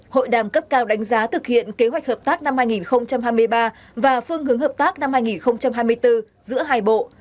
hội đàm cấp cao đánh giá thực hiện kế hoạch hợp tác năm hai nghìn hai mươi ba và phương hướng hợp tác năm hai nghìn hai mươi bốn giữa hai bộ